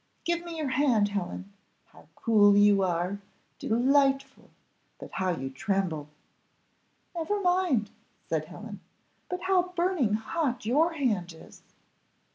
Give me your hand, Helen, how cool you are delightful! but how you tremble!" "Never mind," said Helen; "but how burning hot your hand is!"